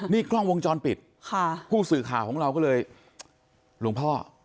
นี่กล้องวงจรปิดค่ะผู้สื่อข่าวของเราก็เลยหลวงพ่อ